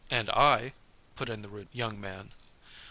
'" "And I," put in the rude young man.